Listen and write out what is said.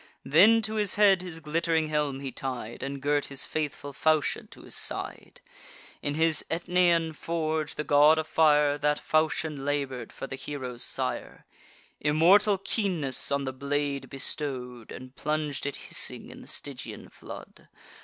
Then to his head his glitt'ring helm he tied, And girt his faithful falchion to his side. In his Aetnaean forge, the God of Fire That falchion labour'd for the hero's sire; Immortal keenness on the blade bestow'd, And plung'd it hissing in the Stygian flood.